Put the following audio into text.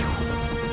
adalah guru abikara